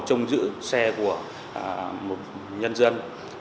chống giữ xe của một nhân dân